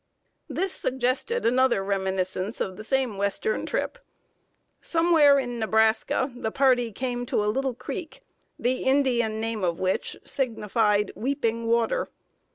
This suggested another reminiscence of the same Western trip. Somewhere in Nebraska the party came to a little creek, the Indian name of which signified weeping water.